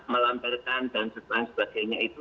melampirkan dan sebagainya itu